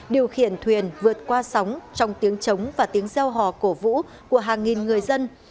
điều khiển thuyền vượt qua sóng trong tiếng trống và tiếng gieo hò cổ vũ của hàng nghìn người dân